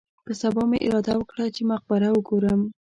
په سبا مې اراده وکړه چې مقبره وګورم.